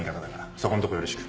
そこんとこよろしく。